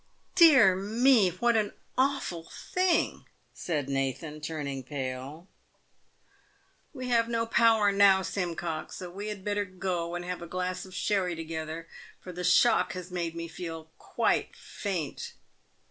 "Dear me! what an awful thing!" said Nathan, turning pale. " "We have no power now, Simcox, so we had better go and have a glass of sherry together, for the shock has made me feel quite faint."